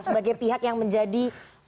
sebagai pihak yang menjadi